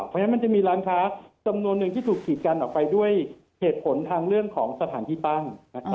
เพราะฉะนั้นมันจะมีร้านค้าจำนวนหนึ่งที่ถูกกีดกันออกไปด้วยเหตุผลทางเรื่องของสถานที่ตั้ง